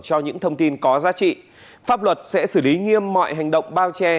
cho những thông tin có giá trị pháp luật sẽ xử lý nghiêm mọi hành động bao che